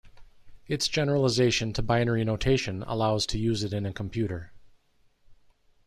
Its generalization to binary notation allows to use it in a computer.